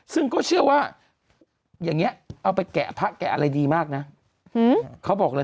ซึ่งก็เชื่อว่าอย่างนี้เอาไปแกะพระแกะอะไรดีมากนะเขาบอกเลย